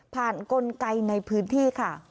กลไกในพื้นที่ค่ะ